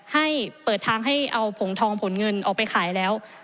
ให้เปิดทางให้เอาผงทองผลเงินออกไปขายแล้ว